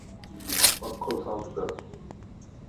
پنکو صاف ڪر